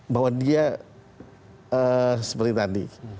bahwa dia seperti tadi